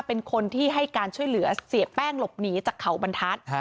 เป็นคนที่ให้การช่วยเหลือเสียแป้งหลบหนีจากเขาบรรทัศน์